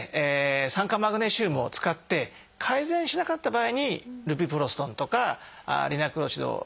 酸化マグネシウムを使って改善しなかった場合にルビプロストンとかリナクロチドを使います。